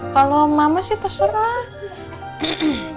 kalau mama sih terserah